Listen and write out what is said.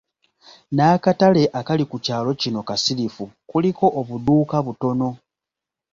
N'akatale akali ku kyaalo kino kasirifu, kuliko obuduuka butono.